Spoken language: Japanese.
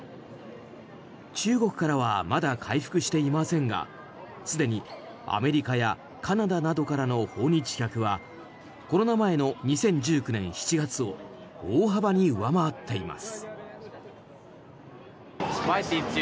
中国からはまだ回復していませんがすでにアメリカやカナダなどからの訪日客はコロナ前の２０１９年７月を大幅に上回っています。